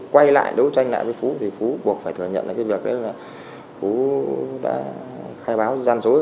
quay lại đấu tranh lại với phú thì phú buộc phải thừa nhận là cái việc đấy là phú đã khai báo gian dối